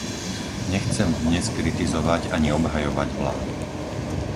Nechcem dnes kritizovať ani obhajovať vládu.